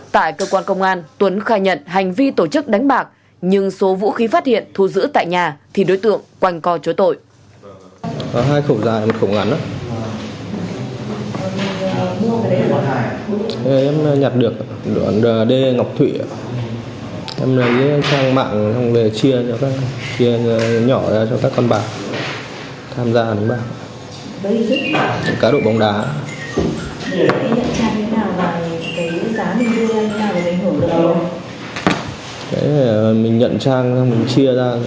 tại cơ quan công an tuấn khai nhận hành vi tổ chức đánh bạc nhưng số vũ khí phát hiện thu giữ tại nhà thì đối tượng quanh co chối tội